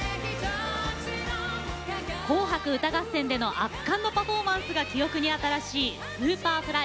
紅白歌合戦での圧巻のパフォーマンスが記憶に新しいＳｕｐｅｒｆｌｙ。